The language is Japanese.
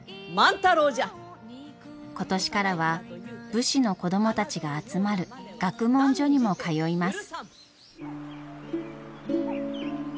今年からは武士の子供たちが集まる学問所にも通います。